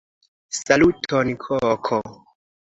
Saluton koko!